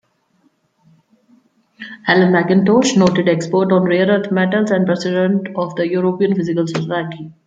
Allan Mackintosh, noted expert on rare-earth metals and President of the European Physical Society.